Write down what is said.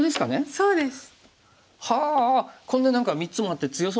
そうですね。